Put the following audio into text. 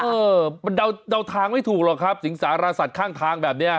เออมันเดาทางไม่ถูกหรอกครับสิงสารสัตว์ข้างทางแบบนี้